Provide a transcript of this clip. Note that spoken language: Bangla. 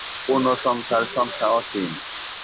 পূর্ণসংখ্যার সংখ্যা অসীম।